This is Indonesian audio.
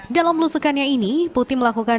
dalam lusukannya ini putih melakukan